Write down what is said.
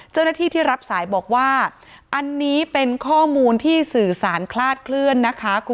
ที่รับสายบอกว่าอันนี้เป็นข้อมูลที่สื่อสารคลาดเคลื่อนนะคะ